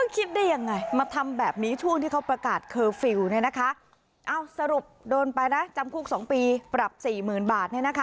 คิดได้ยังไงมาทำแบบนี้ช่วงที่เขาประกาศเคอร์ฟิลสรุปโดนไปนะจำคู่๒ปีปรับ๔๐๐๐๐บาท